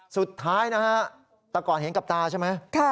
สุดท้ายนะฮะแต่ก่อนเห็นกับตาใช่ไหม